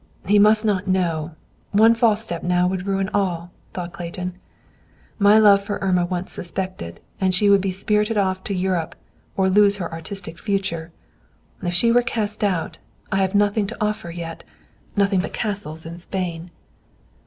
"He must not know. One false step now would ruin all," thought Clayton. "My love for Irma once suspected, and she would be spirited off to Europe or lose her artistic future. If she were cast out, I have nothing to offer yet, nothing but castles in Spain."